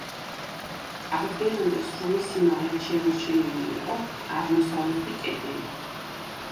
აღდგენამდე სრული სიმაღლით შემორჩენილი იყო აღმოსავლეთი კედელი.